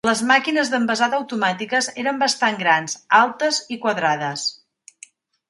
Les màquines d"envasat automàtiques eren bastant grans, altes i quadrades.